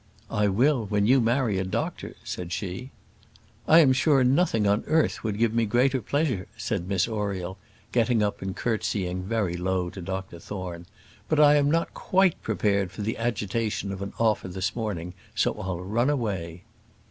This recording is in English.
"I will when you marry a doctor," said she. "I am sure nothing on earth would give me greater pleasure," said Miss Oriel, getting up and curtseying very low to Dr Thorne; "but I am not quite prepared for the agitation of an offer this morning, so I'll run away."